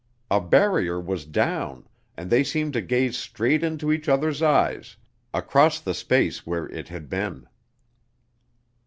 A barrier was down, and they seemed to gaze straight into each other's eyes, across the space where it had been.